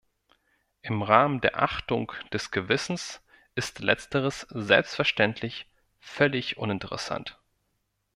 Im Rahmen der Achtung des Gewissens ist Letzteres selbstverständlich völlig uninteressant.